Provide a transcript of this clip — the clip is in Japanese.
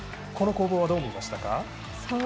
この攻防はどう見ましたか？